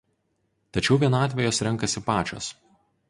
Tačiau vienatvę jos renkasi pačios.